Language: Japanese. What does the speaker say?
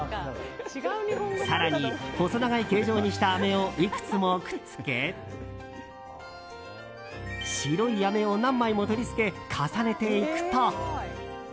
更に細長い形状にしたあめをいくつもくっつけ白いあめを何枚も取り付け重ねていくと。